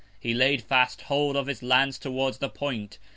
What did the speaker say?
He laid fast hold of his Lance towards the Point.